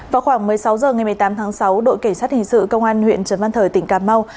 vào khoảng một mươi sáu h ngày một mươi tám tháng sáu đội cảnh sát hình sự công an huyện trần văn thời tỉnh cà mau